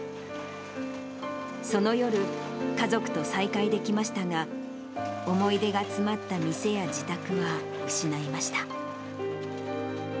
その夜、家族と再会できましたが、思い出が詰まった店や自宅は失いました。